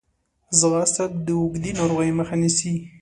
ځغاسته د اوږدې ناروغۍ مخه نیسي